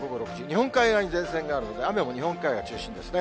日本海側に前線があるので、雨も日本海が中心ですね。